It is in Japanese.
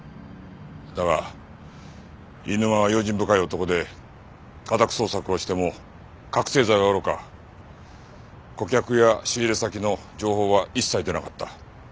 だが飯沼は用心深い男で家宅捜索をしても覚せい剤はおろか顧客や仕入れ先の情報は一切出なかった。